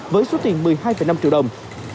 với số tiền một mươi hai năm triệu đồng